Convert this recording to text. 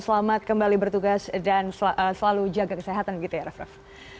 selamat kembali bertugas dan selalu jaga kesehatan begitu ya raff raff